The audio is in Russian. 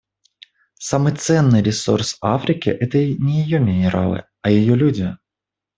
Самый ценный ресурс Африки — это не ее минералы, а ее люди.